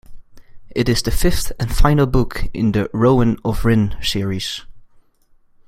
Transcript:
It is the fifth and final book in the "Rowan of Rin" series.